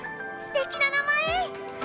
すてきな名前！